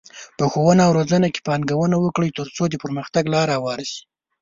په ښوونه او روزنه کې پانګونه وکړئ، ترڅو د پرمختګ لاره هواره شي.